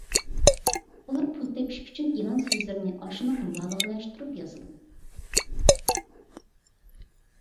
ئۇلار پۇل تېپىش ئۈچۈن ئېلان سۆزلىرىنى ئاشۇنداق مۇبالىغىلەشتۈرۈپ يازىدۇ.